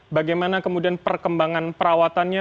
bagaimana kemudian perkembangan perawatannya